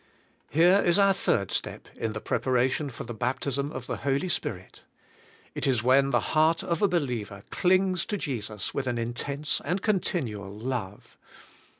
Here is our third step in the preparation for the baptism of the Holy Spirit. It is when the heart of a believer clings to Jesus with an intense and con tinual love.